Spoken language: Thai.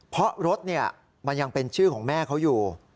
เพราะรถมันยังเป็นชื่อของแม่เขาอยู่